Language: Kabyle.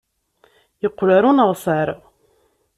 Yeqqel ɣer uneɣsar.